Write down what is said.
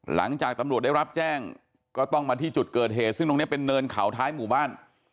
หลังจากตำรวจได้รับแจ้งก็ต้องมาที่จุดเกิดเหตุซึ่งตรงนี้เป็นเนินเขาท้ายหมู่บ้าน